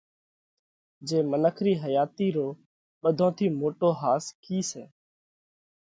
جي منک رِي حياتِي رو ٻڌون ٿِي موٽو ۿاس ڪِي سئہ؟